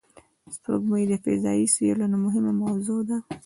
سپوږمۍ د فضایي څېړنو مهمه موضوع ده